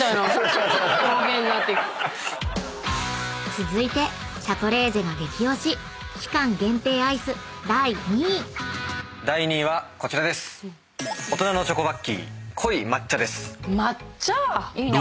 ［続いてシャトレーゼが激推し期間限定アイス第２位］抹茶？いいな。